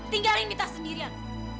tinggalin mita sendirian